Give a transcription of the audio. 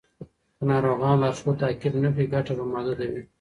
که ناروغان لارښود تعقیب نه کړي، ګټه به محدوده وي.